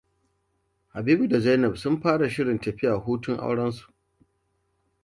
Habibu da Zainab sun fara shirin tafiya hutun aurensu.